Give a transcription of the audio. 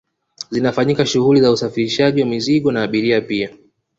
zinafanyika shughuli za usafirishaji wa mizigo na abiria pia